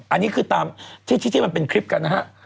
อันนี้คือตามที่มันเป็นคลิปกันนะฮะ